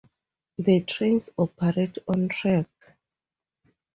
The trains operate on track.